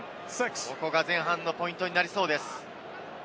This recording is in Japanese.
ここが前半のポイントになりそうです。